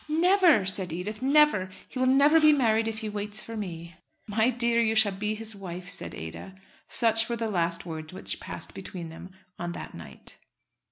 "Never," said Edith. "Never! He will never be married if he waits for me." "My dear one, you shall be his wife," said Ada. Such were the last words which passed between them on that night.